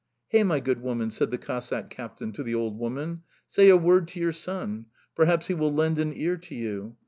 "Hey, my good woman!" said the Cossack captain to the old woman. "Say a word to your son perhaps he will lend an ear to you...